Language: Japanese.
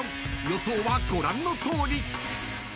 ［予想はご覧のとおり］